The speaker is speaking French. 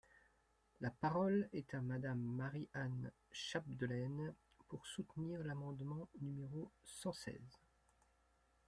La parole est à Madame Marie-Anne Chapdelaine, pour soutenir l’amendement numéro cent seize.